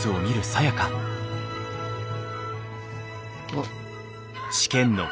あっ。